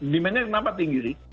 demandnya kenapa tinggi sih